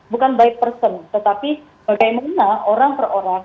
bukan by person tetapi bagaimana orang per orang